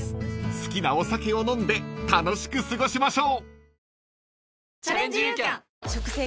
［好きなお酒を飲んで楽しく過ごしましょう］